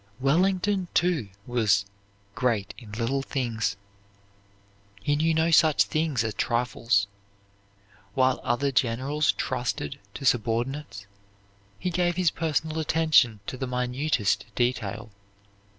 Wellington, too, was "great in little things." He knew no such things as trifles. While other generals trusted to subordinates, he gave his personal attention to the minutest detail.